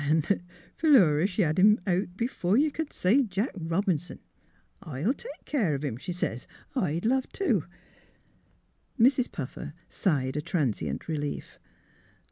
But, land, Philura she had him out before you c'd say Jack Eobinson! ' I'll take care of him,' she sez. ' I'd love to.' " Mrs. Puffer sighed a transient relief.